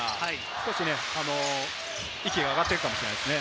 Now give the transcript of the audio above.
少し息が上がっているかもしれないですね。